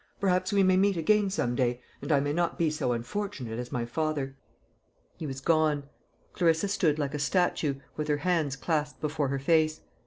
Perhaps we may meet again some day, and I may not be so unfortunate as my father." He was gone. Clarissa stood like a statue, with her hands clasped before her face.